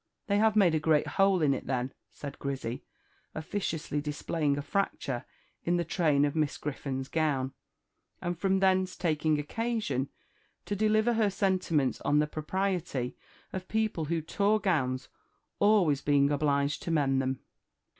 "They have made a great hole in it then," said Grizzy, officiously displaying a fracture in the train of Miss Griffon's gown, and from thence taking occasion to deliver her sentiments on the propriety of people who tore gowns always being obliged to mend them.